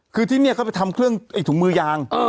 คือที่นี่เขาไปทำเครื่องไอ้ถุงมือยาง